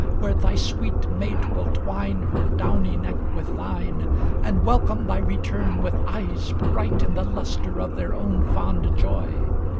Where thy sweet mate will twine her downy neck With thine, and welcome thy return with eyes Bright in the lustre of their own fond joy.